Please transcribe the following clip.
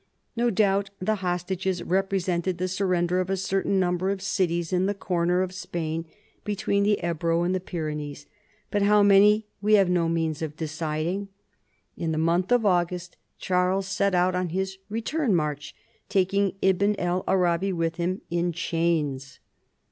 No doubt the hostages represented the surrender of a certain number of cities in the corner of Spain between the Ebro and the P3'renees, but how many we have no means of deciding. In the month of August Charles set out on his return march, taking Ibn el Arabi with him in chains.